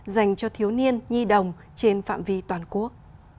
dành cho thiếu niên nhi đồng trên phạm vi toàn quốc